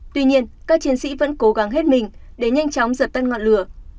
tuy nhiên các chiến sĩ vẫn cố gắng hết mình để nhanh chóng dập tắt ngọn lửa